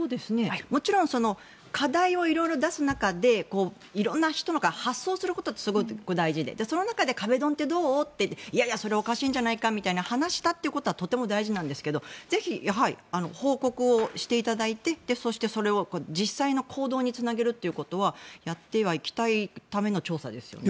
もちろん課題を色々出す中で色んな発想をすることってとても大事でその中で、壁ドンってどう？っていやいや、それはおかしいんじゃないかという話をすることはとても大事なんですけどぜひ、報告をしていただいてそして、それを実際の行動につなげるということはやってはいきたいための調査ですよね。